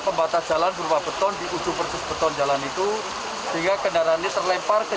pembatas jalan berupa beton di ujung persus beton jalan itu sehingga kendaraan ini terlempar ke